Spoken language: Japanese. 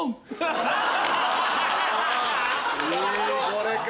これか！